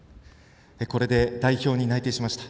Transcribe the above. これで代表に内定しました。